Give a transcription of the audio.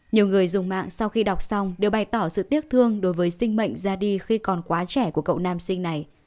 nhiều người dùng mạng sau khi đọc xong đều bày tỏ sự tiếc thương đối với sinh mệnh ra đi khi còn quá trẻ của cậu nam sinh này